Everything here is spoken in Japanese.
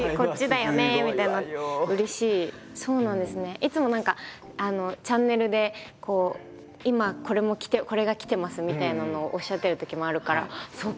いつも何かチャンネルで「今これがきてます」みたいなのをおっしゃってるときもあるからそうか